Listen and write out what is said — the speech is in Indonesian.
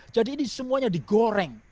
jadi ini semuanya digoreng